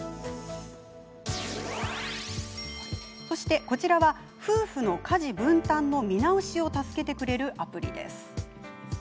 そして、こちらは夫婦の家事分担の見直しを助けてくれるアプリ。